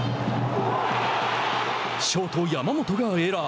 ショート山本がエラー。